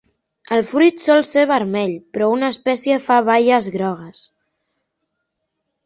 El fruit sol ser vermell, però una espècie fa baies grogues.